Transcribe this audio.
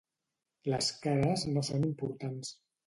Les cares no són importants.